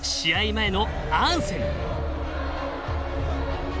前の、アンセム。